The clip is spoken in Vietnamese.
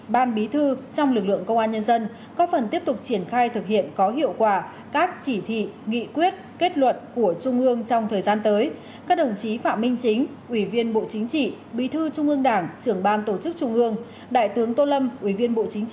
đại tướng tô lâm ủy viên bộ chính trị bế thư đảng ủy công an trung ương bộ trưởng bộ công an đồng chủ trì buổi lễ